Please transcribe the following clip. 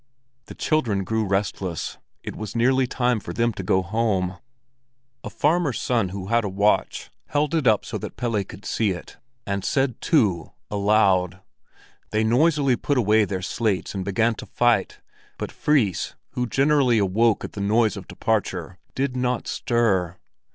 The children grew restless; it was nearly time for them to go home. A farmer's son who had a watch, held it up so that Pelle could see it, and said "Two" aloud. They noisily put away their slates and began to fight; but Fris, who generally awoke at this noise of departure, did not stir.